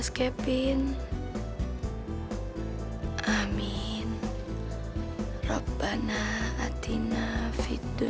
siapa mereka itu